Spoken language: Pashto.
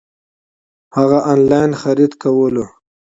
هغه انلاين خريد کولو